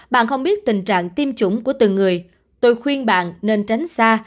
bạn không biết tình trạng tiêm chủng của từng người tôi khuyên bạn nên tránh xa